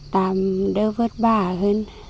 làm đều vất bả hơn